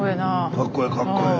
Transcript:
かっこええかっこええ。